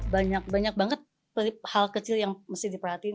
banyak banyak banget hal kecil yang mesti diperhatiin